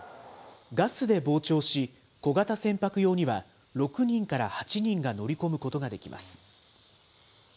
ガスで膨張し、小型船舶用には、６人から８人が乗り込むことができます。